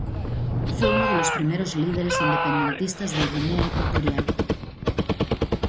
Fue uno de los primeros líderes independentistas de Guinea Ecuatorial.